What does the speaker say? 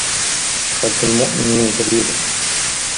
قلب المؤمن دليله